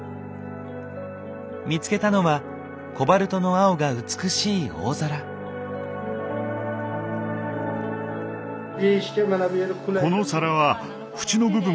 見つけたのはコバルトの青が美しい大皿。